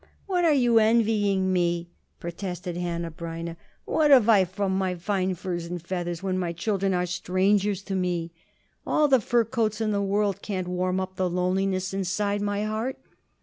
"What are you envying me?" protested Hanneh Breineh. "What have I from all my fine furs and feathers when my children are strangers to me? All the fur coats in the world can't warm up the loneliness inside my heart.